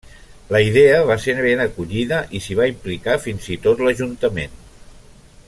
La idea va ser ben acollida i s'hi va implicar fins i tot l'ajuntament.